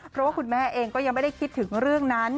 เพราะว่าคุณแม่เองก็ยังไม่ได้คิดถึงเรื่องนั้น